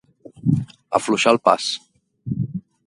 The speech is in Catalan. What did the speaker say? Afluixar el pas.